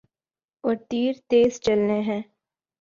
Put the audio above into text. اور تیر تیز چلنے ہیں۔